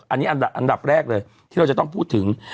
อันนี้อันดับแรกเลยที่เราจะต้องพูดถึง